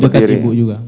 di dekat ibu juga